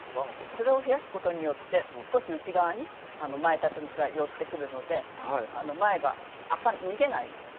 それを増やすことによって少し内側に前立てが寄ってくるので前が逃げないように。